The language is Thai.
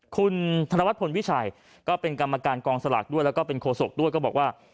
คุณธนวัฒนพลวิชัยก็เป็นกรรมการกองสลากด้วยแล้วก็เป็นโคศกด้วยก็บอกว่า